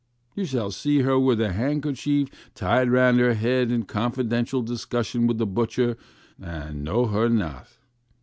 You shall see her with a handkerchief tied round her head in confidential discussion with the butcher, and know her not.